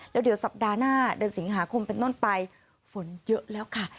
เดี๋ยวสัปดาห์หน้าเดือนสิงหาคมเป็นต้นไปฝนเยอะแล้วค่ะ